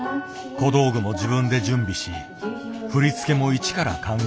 小道具も自分で準備し振り付けも一から考える。